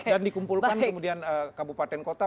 dan dikumpulkan kemudian kabupaten kota